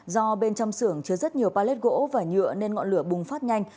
do bên trong xưởng chứa rất nhiều pallet gỗ và nhựa nên ngọn lửa bùng phát nhanh